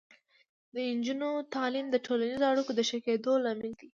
د نجونو تعلیم د ټولنیزو اړیکو د ښه کیدو لامل دی.